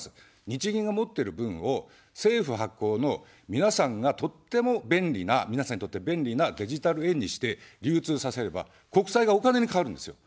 日銀が持ってる分を政府発行の、皆さんがとっても便利な、皆さんにとって便利なデジタル円にして流通させれば、国債がお金に変わるんですよ。